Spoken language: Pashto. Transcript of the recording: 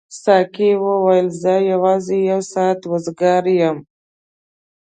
ساقي وویل زه یوازې یو ساعت وزګار یم.